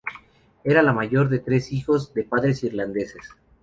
Era la mayor de tres hijos de padres irlandeses.